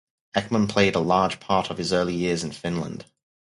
Ekman played a large part of his early years in Finland.